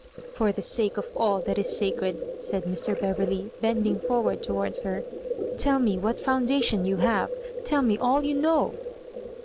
"For the sake of all that is sacred," said Mr. Beverley, bending forward towards her, "tell me what foundation you have— tell me all you know?"